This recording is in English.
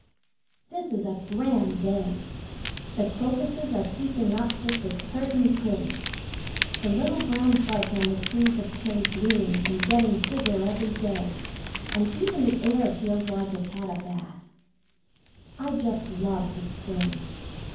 This is a grand day. The crocuses are peeping up just as pert and pretty. The little brown buds on the trees have turned green and getting bigger every day, and even the air feels like it's had a bath. I just love the spring.